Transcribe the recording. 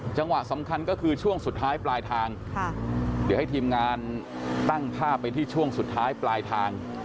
จังหวะสำคัญก็คือช่วงสุดท้ายปลายทางเดี๋ยวให้ทีมงานตั้งภาพไปที่ช่วงสุดท้ายปลายทาง